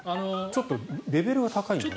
ちょっとレベルが高いんだよね。